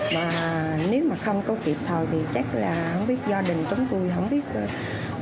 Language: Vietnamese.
mà nếu mà không có kịp thời thì chắc là không biết gia đình chúng tôi không biết bà bàn cách nào nữa